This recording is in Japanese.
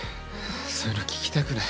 そういうの聞きたくない。